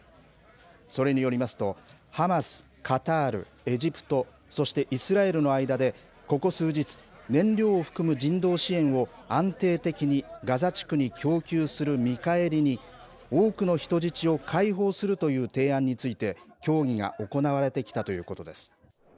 それによりますと、ハマス、カタール、エジプト、そしてイスラエルの間で、ここ数日、燃料を含む人道支援を安定的にガザ地区に供給する見返りに、多くの人質を解放するという提案について、協議が行われてきたということです。